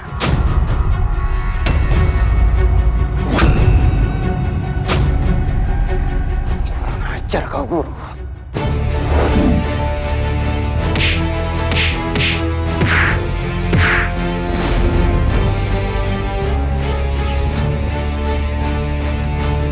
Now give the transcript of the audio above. aku ingin membunuh mereka semua